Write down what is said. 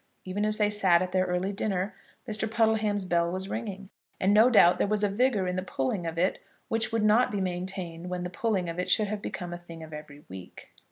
Even as they sat at their early dinner Mr. Puddleham's bell was ringing, and no doubt there was a vigour in the pulling of it which would not be maintained when the pulling of it should have become a thing of every week.